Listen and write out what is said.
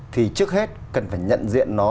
thì trước hết cần phải nhận diện nó